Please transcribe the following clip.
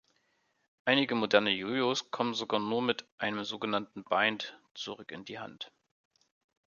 Einige moderne Jo-Jos kommen sogar nur mit einem sogenannten „Bind“ zurück in die Hand.